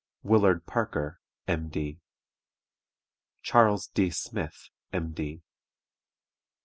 WILLARD PARKER, M.D. CHARLES D. SMITH, M.D.